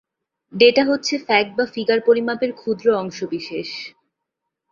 Data হচ্ছে fact বা figure, পরিমাপের ক্ষুদ্র অংশ বিশেষ।